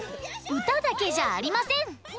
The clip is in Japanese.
うただけじゃありません。